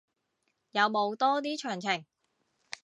有冇多啲詳情